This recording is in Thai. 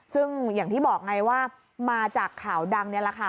ซึ่งอย่างที่บอกไงว่ามาจากข่าวดังนี่แหละค่ะ